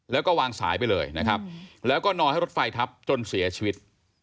แล้วก็วางสายไปเลยนะครับแล้วก็นอนให้รถไฟทับจนเสียชีวิต